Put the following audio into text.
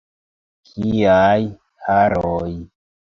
Kiaj haroj!